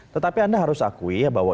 tetapi anda harus akui ya bahwa